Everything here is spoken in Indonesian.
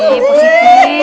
nih mas iti